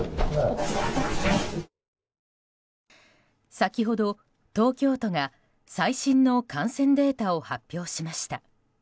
先ほど、東京都が最新の感染データを発表しました。